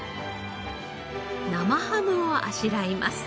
生ハムをあしらいます。